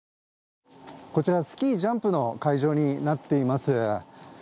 こちらスキージャンプの会場になっています。